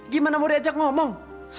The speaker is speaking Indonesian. gimana mau diajak ngomong